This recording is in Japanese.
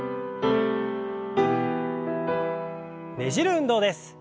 ねじる運動です。